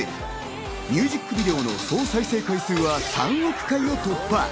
ミュージックビデオの総再生回数は３億回を突破。